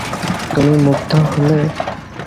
তুমি মুগ্ধ হলে।